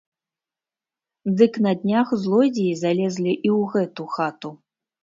Дык на днях злодзеі залезлі і ў гэту хату.